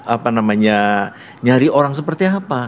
apa namanya nyari orang seperti apa